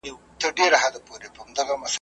د غزل تر زړه دي نن ویني څڅېږي `